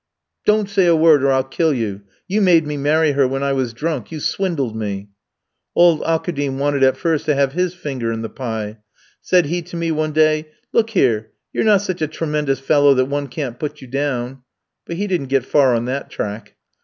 'Don't say a word or I'll kill you; you made me marry her when I was drunk, you swindled me.' Old Aukoudim wanted at first to have his finger in the pie. Said he to me one day: 'Look here, you're not such a tremendous fellow that one can't put you down;' but he didn't get far on that track.